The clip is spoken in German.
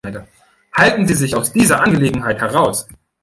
Halten Sie sich aus dieser Angelegenheit heraus!